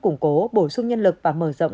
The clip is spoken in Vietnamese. củng cố bổ sung nhân lực và mở rộng